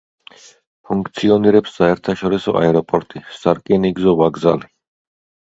ფუნქციონირებს საერთაშორისო აეროპორტი, სარკინიგზო ვაგზალი.